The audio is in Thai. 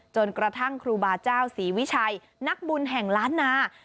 จนกระทั่งครูบาเจ้าศรีวิชัยนักบุญแห่งล้านนา